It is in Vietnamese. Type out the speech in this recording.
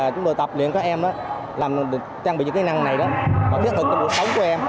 chúng tôi tập luyện các em trang bị những kỹ năng này và thiết thực cuộc sống của em